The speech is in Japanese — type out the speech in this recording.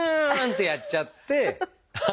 ってやっちゃって。